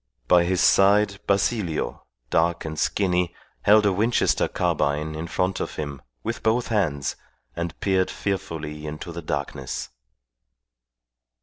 By his side Basilio, dark and skinny, held a Winchester carbine in front of him, with both hands, and peered fearfully into the darkness.